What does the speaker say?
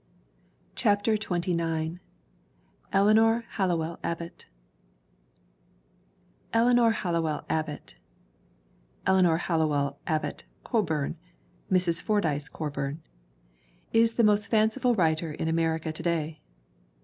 CHAPTER XXIX ELEANOR HALLOWELL ABBOTT ELEANOR HALLOWELL ABBOTT (Eleanor Hallowell Abbott Coburn: Mrs. Fordyce Co burn) is the most fanciful writer in America to day.